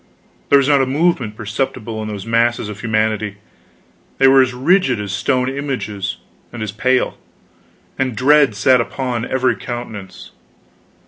There was not a movement perceptible in those masses of humanity; they were as rigid as stone images, and as pale; and dread sat upon every countenance.